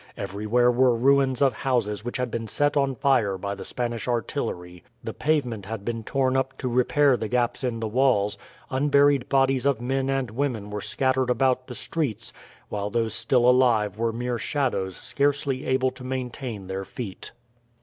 Everywhere were ruins of houses which had been set on fire by the Spanish artillery, the pavement had been torn up to repair the gaps in the walls, unburied bodies of men and women were scattered about the streets, while those still alive were mere shadows scarcely able to maintain their feet.